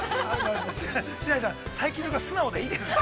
白石さん、最近の子は素直でいいですね。